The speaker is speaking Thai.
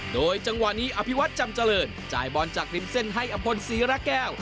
โดยจังหวะนี้อภิวัตรจำเจริญจ่ายบอลจากริมเส้นให้อำพลศรีระแก้ว